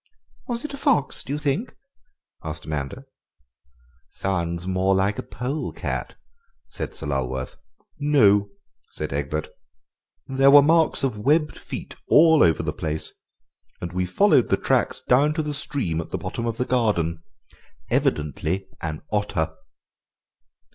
"Was it a fox, do you think?" asked Amanda. "Sounds more like a polecat," said Sir Lulworth. "No," said Egbert, "there were marks of webbed feet all over the place, and we followed the tracks down to the stream at the bottom of the garden; evidently an otter."